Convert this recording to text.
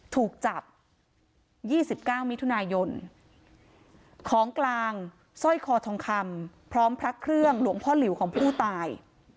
ถูกจับ๒๙มิถุนายนของกลางสร้อยคอทองคำพร้อมพระเครื่องหลวงพ่อหลิวของผู้ตาย